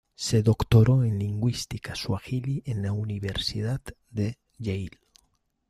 Se doctoró en lingüística suajili en la Universidad de Yale.